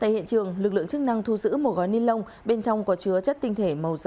tại hiện trường lực lượng chức năng thu giữ một gói ninh lông bên trong có chứa chất tinh thể